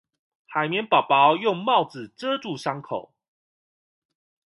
海綿寶寶用帽子遮住傷口